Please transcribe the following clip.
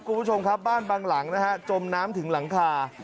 คุณผู้ชมครับบ้านบางหลังนะฮะจมน้ำถึงหลังคา